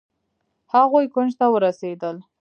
هغوئ کونج ته ورسېدل.